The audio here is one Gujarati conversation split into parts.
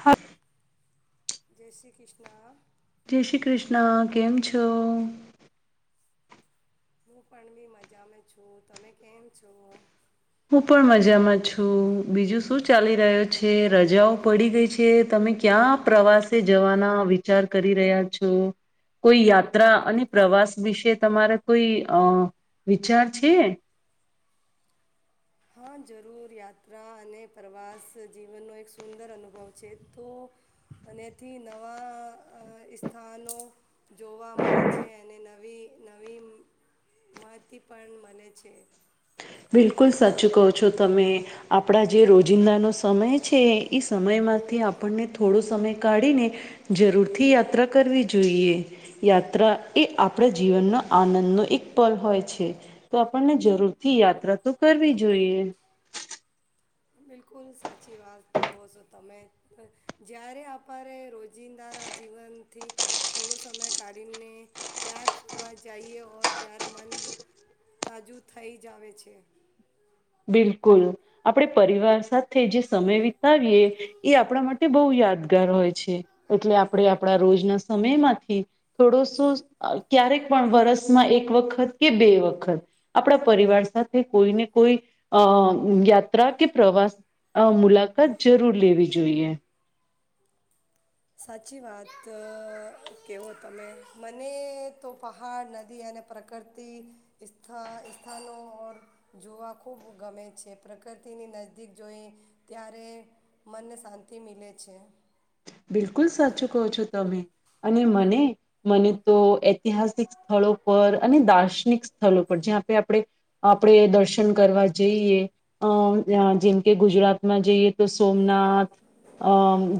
હા જય શ્રી કૃષ્ણ. જય શ્રી કૃષ્ણ, કેમ છો? હું પણ ભી મજામાં છું, તમે કેમ છો? હું પણ મજામાં છું. બીજું શું ચાલી રહ્યો છે, રજાઓ પડી ગઈ છે, તમે ક્યાં પ્રવાસે જવાના વિચાર કરી રહ્યા છો, કોઈ યાત્રા અને પ્રવાસ વિશે તમારા કોઈ અ વિચાર છે? હા જરૂર યાત્રા અને પ્રવાસ જીવનનો એક સુંદર અનુભવ છે, તો એનાથી નવાં સ્થાનો જોવા મલે છે અને નવી નવી માતી પણ મળે છે. બિલકુલ સાચું કહો છો તમે. આપણા જે રોજિંદાનો સમય છે એ સમયમાંથી આપણને થોડો સમય કાઢીને જરૂરથી યાત્રા કરવી જોઈએ. યાત્રા એ આપણા જીવનનો આનંદનો એક પલ હોય છે. તો આપણને જરૂર થી યાત્રા તો કરવી જોઈએ. બિલકુલ સાચી વાત કહો છો તમે. જ્યારે આપરે રોજિંદારા જીવનથી થોડો સમય કાઢીને ક્યાંક ફરવા જાઈએ હો ત્યારે મન તાજું થઈ જા આવે છે. બિલકુલ, આપણે પરિવાર સાથે જે સમય વિતાવીએ એ આપણા માટે બો યાદગાર હોય છે. એટલે આપણે આપણા રોજના સમયમાંથી થોડોસો ક્યારેક પણ વરસમાં એક વખત કે બે વખત આપણા પરિવાર સાથે કોઈને કોઈ અ યાત્રા કે પ્રવાસ મુલાકાત જરૂર લેવી જોઈએ. સાચી વાત ક કેવો તમે. મને તો પહાડ, નદી અને પ્રકૃતિથા સ્થાનો જોવા ખૂબ ગમે છે. પ્રકૃતિની નજીક જોઈ ત્યારે મનને શાંતિ મિલે છે. બિલકુલ સાચું કહો છો તમે અને મને મને તો ઐતિહાસિક સ્થળો પર અને દાર્શનિક સ્થળો પર જ્યાં આપણે આપણે દર્શન કરવા જઈએ. અ જેમ કે ગુજરાતમાં જઈએ તો સોમનાથ અ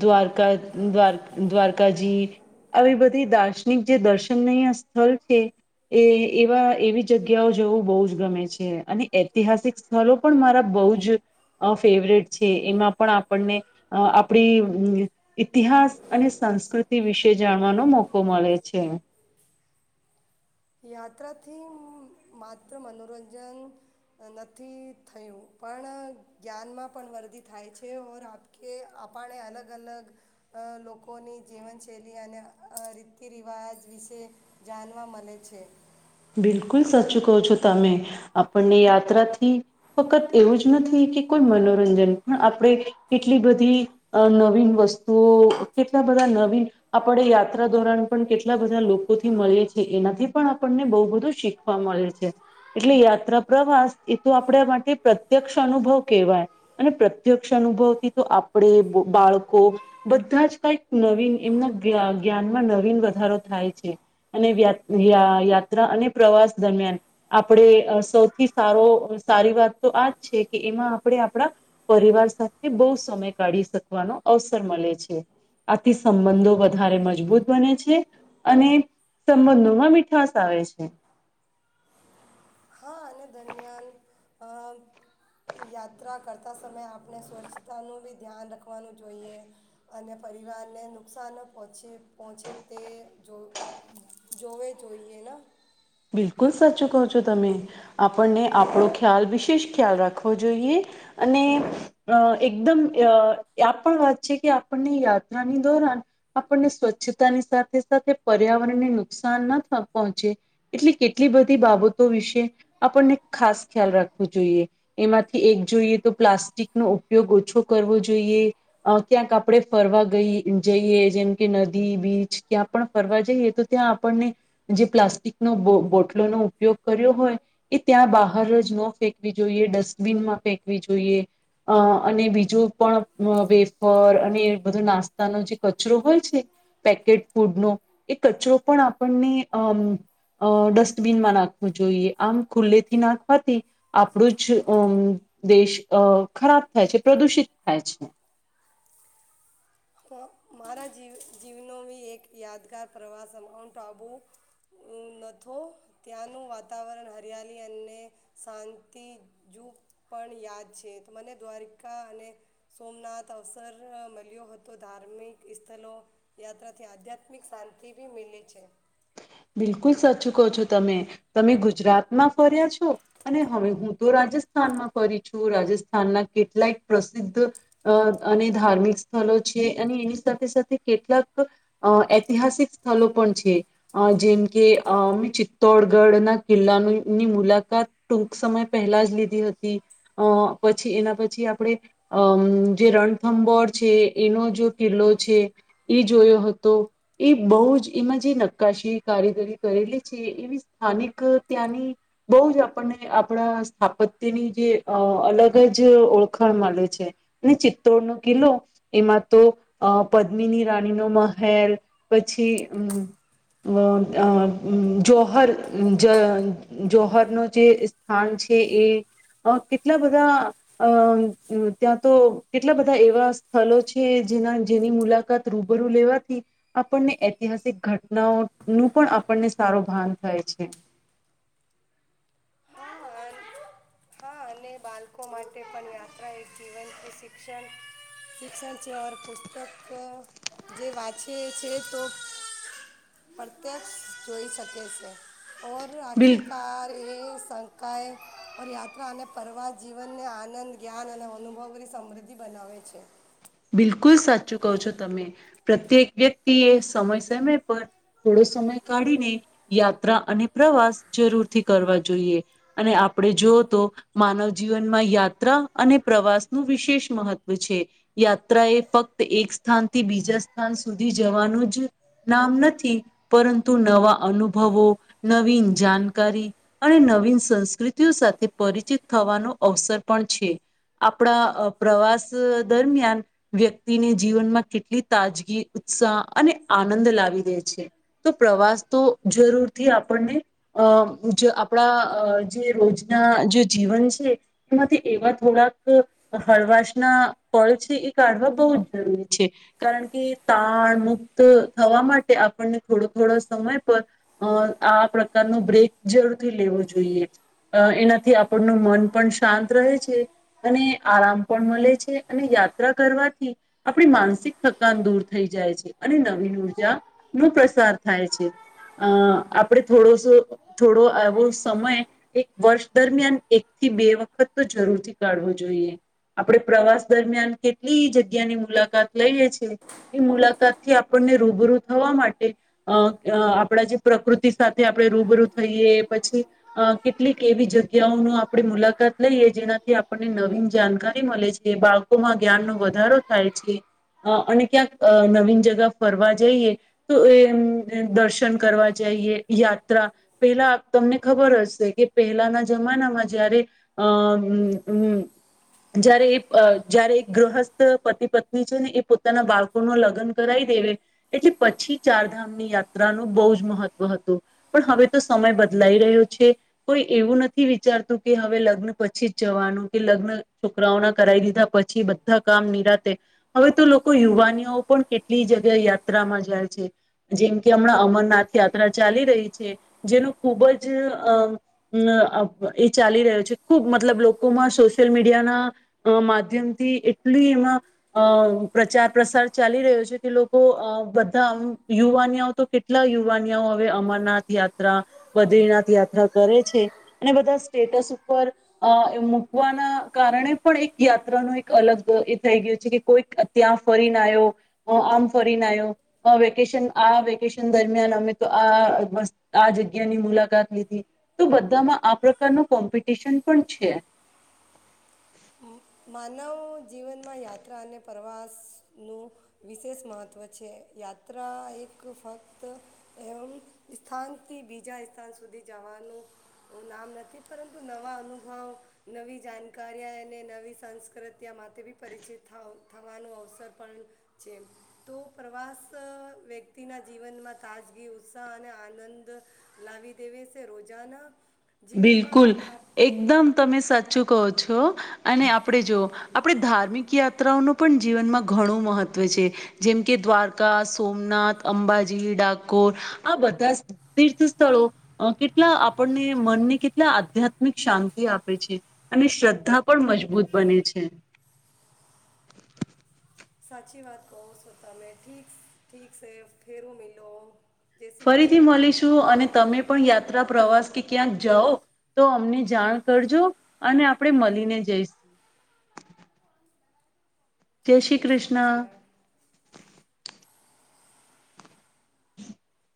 દ્વાર કા દ્વાર દ્વારકાજી આવી બધી દાર્શનિક જે દર્શનનીય સ્થળ છે, એ એવા એવી જગ્યાઓ જવું બો જ ગમે છે અને ઐતિહાસિક સ્થળ પણ મારા બો જ ફેવરેટ છે એમાં પણ આપણને આપણી ઇતિહાસ અને સંસ્કૃતિ વિશે જાણવાનો મોકો મળે છે. યાત્રાથું માત્ર મનોરંજન નથી થયું પણ જ્ઞાનમાં પણ વરદી થાય છે ઓર આપ કે આપણે અલગ અલગ અ લોકોની જીવનશૈલી અને રીતિ રિવાજ વિશે જાનવા મળે છે. બિલકુલ સાચું કહો છો તમે. આપણને યાત્રાથી ફક્ત એવું જ નથી કે કોઈ મનોરંજન પણ આપણે કેટલી બધી નવીન વસ્તુઓ કેટલા બધા નવીન આપણે યાત્રા ધોરણ પણ કેટલા બધા લોકોથી મળીએ છી એનાથી પણ આપણને બો વધુ શીખવા મળે છે, એટલે યાત્રા પ્રવાસ એ તો આપણા માટે પ્રત્યક્ષ અનુભવ કહેવાય, અને પ્રત્યક્ષ અનુભવ થી તો આપણે, બાળકો બધા જ કંઈક નવીન એમના જ્ઞા જ્ઞાનમાં નવીન વધારો થાય છે. અને [unintelligible] ત્રા અને પ્રવાસ દરમિયાન આપણે સૌથી સારો સારી વાત તો આ જ છે કે એમાં આપણે આપણા પરિવાર સાથે બહુ સમય કાઢી શકવાનો અવસર મલે છે. આથી સંબંધો વધારે મજબૂત બને છે, અને સંબંધોમાં મીઠાશ શ આવે છે. હા. આને દરમિયાન અહ યાત્રા કરતા સમયે આપણે સ્વચ્છતાનું ભી ધ્યાન રાખવાનું જોઈએ, અને પરિવારને નુકસાન પહોંચે પહોંચે તે જો જોવે જોઈએ ના. બિલકુલ સાચું કહો છો તમે. આપણને આપણો ખ્યાલ વિશેષ ખ્યાલ રાખવો જોઈએ, અને અહ એકદમ અહ [unintelligible] પણ વાત છે કે આપણને યાત્રાની દોરાન આપણને સ્વચ્છતાની સાથે-સાથે પર્યાવરણને નુકસાન ના પહોંચે એટલી કેટલી બધી બાબતો વિશે આપણને ખાસ ખ્યાલ રાખવો જોઈએ. એમાંથી એક જોઈએ તો પ્લાસ્ટિકનો ઉપયોગ ઓછો કરવો જોઈએ, અહ ક્યાંક આપણે ફરવા ગઈ જઈએ જેમ કે નદી, બીચ ક્યાં પણ ફરવા જઈએ તો ત્યાં આપણને જે પ્લાસ્ટિક નો બો બોટલો નો ઉપયોગ કર્યો હોય એ ત્યાં બહાર જ ન ફેંકવી જોઈએ, ડસ્ટબિનમાં ફેંકવી જોઈએ. અહ અને બીજો પણ અહ વેફર અને એ બધો નાસ્તાનો જે કચરો હોય છે, પેકેટ ફૂડનો, એ કચરો પણ આપણને અમ્મ અહ ડસ્ટબીનમાં નાખવું જોઈએ. આમ ખુલ્લેથી નાખવાથી આપણું જ અમ્મ દેશ અહ ખરાબ થાય છે, પ્રદુષિત થાય છે. હ, મારા જીવ જીવનો વી એક યાદગાર પ્રવાસ માઉન્ટ આબુ નથો, ત્યાંનું વાતાવરણ હરિયાલી અને શાંતિ જૂ પણ યાદ છે. તો મને દ્વારકા અને સોમનાથ અવસર મળ્યો હત તો ધાર્મિક સ્થલો યાત્રાથી આધ્યાત્મિક શાંતિ ભી મિલે છે. બિલકુલ સાચું કહો છો તમે. તમે ગુજરાતમાં ફર્યા છો અને હવે હું તો રાજસ્થાનમાં ફરી છું. રાજસ્થાનના કેટલાયક પ્રસિદ્ધ અહ અને ધાર્મિક સ્થલો છે, અને એની સાથે-સાથે કેટલાક અહ ઐતિહાસિક સ્થલો પણ છે. અહ જેમ કે અહ અમેં ચિત્તોડગઢ ના કિલ્લાનું ની મુલાકાત ટૂંક સમય પહેલા જ લીધી હતી, અહ પછી એના પછી આપણે અમ્મ જે રણથંબોર છે એનો જો કિલ્લો છે, ઈ જોયો હતો, ઈ બહુ જ એમાં જે ન કાશી કારીગરી કરેલી છે, એવી સ્થાનિક ત્યાંની બોવ જ આપણને આપણા સ્થાપત્યની જે અહ અલગ જ ઓળખાણ મલે છે, અને ચિત્તોડનો કિલ્લો એમાં તો અહ પદ્મીની રાણી નો મહેલ, પછી અમ્મ [unintelligible] જોહર, અમ્મ જ, જોહરનો જે સ્થાન છે એ અહ કેટલા બધા અહ ત્યાં તો કેટલા બધા એવા સ્થલો છે જેના જેની મુલાકાત રૂબરૂ લેવાથી આપણને ઐતિહાસિક ઘટ નાઓ નું પણ આપણને સારો ભાન થાય છે. હા અન- હા, અને બાલકો માટે પણ યાત્રા એક જીવનથી શિક્ષણ, શિક્ષણ છે, ઔર પુસ્તક જે વાંચીએ છીએ તો [unintelligible] જોઈ શકે સે. ઔર બિલ આખિરકાર એ શંકાએ ઔર યાત્રા અને ફરવા જીવનને આનંદ, જ્ઞાન અને અનુભવની સમૃદ્ધિ બનાવે છે. બિલકુલ સાચું કહો છો તમે. પ્રત્યેક વ્યક્તિ એ સમય-સમય પર થોડો સમય કાઢીને યાત્રા અને પ્રવાસ જરૂરથી કરવા જોઈએ. અને આપણે જોઓ તો માનવ જીવનમાં યાત્રા અને પ્રવાસનું વિશેષ મહત્વ છે. યાત્રા એ ફક્ત એક સ્થાનથી બીજા સ્થાન સુધી જવાનું જ નામ નથી, પરંતુ નવા અનુભવો, નવીન જાણકારી, અને નવીન સંસ્કૃતિઓ સાથે પરિચિત થવાનો અવસર પણ છે. આપણા અહ પ્રવાસ દરમિ યાન વ્યક્તિને જીવનમાં કેટલી તાજગી, ઉત્સાહ અને આનંદ લાવી દે છે. તો પ્રવાસ તો જરૂર થી આપણને અહ જ આપણા જે રોજના જે જીવન છે એમાંથી એવા થોડાક હળવાશના પલ છ છે એ કાઢવા બહું જ જરૂરી છે. કારણ કે તાણ મુક્ત થવા માટે આપણને થોડો-થોડો સમય પર અહ આ પ્રકારનો બ્રેક જરૂરથી લેવો જોઈએ. અહ એનાથી આપણનું મન પણ શાંત રહે છે, અને આરામ પણ મલે છે, અને યા ત્રા કરવાથી આપણી માનસિક થકાન દૂર થઈ જાય છે. અને નવીન ઉર્જા નું પ્રસાર થાય છે. અહ આપણે થોડો સો થોડો આવો સમય એક વર્ષ દરમિયાન એક થી બે વખત તો જરૂરથી કાઢવો જોઈએ. આપણે પ્રવાસ દરમિયાન કેટલી જગ્યાની મુલાકાત લઈએ છે, એ મુલાકાત થી આપણને રૂબરૂ થવા માટે અહ આપણા જે પ્રકૃતિ સાથે આપણે રૂબરૂ થઈએ, પછી અહ કેટલીક એવી જગ્યાઓનું આપણે મુલાકાત લઈએ, જેનાથી આપણને નવીન જાણકારી મલે છે. બાળકોમાં જ્ઞાન નો વધારો થાય છે, અને અહ ક્યાંક અમ્મ નવીન જગા ફરવા જઈએ તો એ અમ્મ દર્શન કરવા જાઈએ યાત્રા, પહેલા તમને ખબર હશે કે પહેલાના જમાનામાં જયારે અહ અમ્મ-અમ્મ જ્યારે એ જ્યારે એ ગ્રહસ્થ પતિ પત્ની છે ને એ પોતાના બાળકો નો લગ્ન કરાઈ દે એવે એટલે પછી ચારધામની યાત્રા નો બહુ જ મહત્વ હતું, પણ હવે તો સમય બદલાઈ રહ્યો છે, કોઈ એવું નથી વિચારતું કે હવે લગ્ન પછી જ જવાનું, કે લગ્ન છોકરાઓના કરાવી દીધા પછી બ ધાં કામ નિરાંતે, હવે તો લોકો યુવાનીઓ પણ કેટલી જગ્યા યાત્રામાં જાય છે, જેમ કે હમણાં અમરનાથ યાત્રા ચાલી રહી છે, જેનો ખુબ જ અહ-અહ એ ચાલી રહ્યો છે, ખૂબ મતલબ લોકોમાં સોશિયલ મીડિયાના માધ્યમથી એટ ટલી એમાં અહ પ્રચાર પ્રસાર ચાલી રહ્યો છે કે લોકો અહ બધા આમ યુવાનિયાઓ તો કેટલા યુવાનિયાઓ હવે અમરનાથ યાત્રા, બદ્રીનાથ યાત્રા કરે છે, અને બધા સ્ટેટસ ઉપર અહ મૂકવાના કારણે પણ એક યાત્રાનો એક અલગ ઈ થઈ ગયું છે કે કોઈક ત્યાં ફરીને આયો, અહ આમ ફરીને આયો, અહ વેકેશન આ વેકેશન દરમિયાન અમે તો આ વસ આ જગ્યાની મુલાકાત લીધી, તો બધામાં આ પ્રકારનું કોમ્પિટિશન પણ છે. માનવ જીવનમાં યાત્રા અને પ્રવાસનું વિશેષ મહત્ત્વ છે. યાત્રા એક ફક્ત એમ સ્થાનથી બીજા સ્થાન સુધી જવાનું નામ નથી, પરંતુ નવા અનુભવ, નવી જાણકારીયા અને નવી સ સંસ્કૃત માટે બી પરિચિત થ થવાનો અવસર પણ છે. તો પ્રવાસ વ્યક્તિના જીવનમાં તાજગી, ઉત્સાહ અને આનંદ લાવી દેવે સે. રોજાના જીવનમાં બિલકુલ. આપ એકદમ તમે સાચ ચું કહો છો. અને આપણે જોવો, આપણે ધાર્મિક યાત્રાઓનું પણ જીવનમાં ઘણું મહત્વ છે, જેમ કે દ્વારકા, સોમનાથ, અંબાજી, ડાકોર આ બધા તીર્થ સ્થળો અહ કેટલા આપણને મનને કેટલા આધ્યાત્મિક શાંતિ આપે છે, અને શ્રદ્ધા પણ મજબૂત બને છે. સાચી વાત કહો સો તમેં. ઠીકસ ઠીક સે ફેરું મેલો. ફરીથી મલીશું, અને તમે પણ યાત ત્રા, પ્રવાસ કે ક્યાંક જાઓ તો અમને જાણ કરજો, અને આપણે મલીને જઈશ. જય શ્રી કૃષ્ણ. [inaudible]